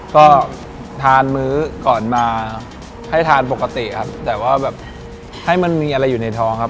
ก็ทานมื้อก่อนมาให้ทานปกติครับแต่ว่าแบบให้มันมีอะไรอยู่ในท้องครับ